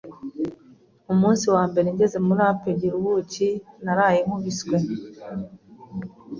Umunsi wa mbere ngeze muri APEGIRUBUKI naraye nkubiswe…